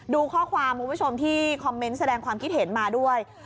ดูข้อความคุณผู้ชมที่คอมเมนต์แสดงความคิดเห็นมาด้วย